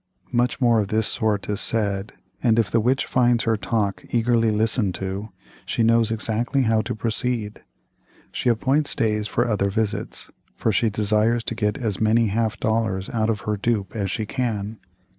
"Much more of this sort is said; and if the witch finds her talk eagerly listened to, she knows exactly how to proceed. She appoints days for other visits; for she desires to get as many half dollars out of her dupe as she can.